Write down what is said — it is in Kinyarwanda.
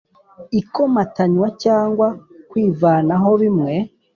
ikomatanywa cyangwa kwivanaho bimwe